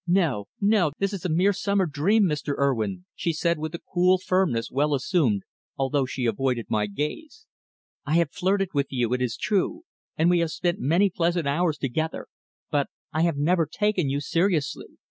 "No, no. This is a mere summer dream, Mr. Urwin," she said, with a cool firmness well assumed, although she avoided my gaze. "I have flirted with you, it is true, and we have spent many pleasant hours together, but I have never taken you seriously.